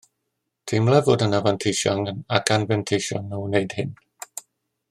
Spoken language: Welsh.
Teimlaf fod yna fanteision ac anfanteision o wneud hyn